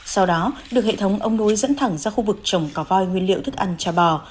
sau đó được hệ thống ông đối dẫn thẳng ra khu vực trồng cò voi nguyên liệu thức ăn cho bò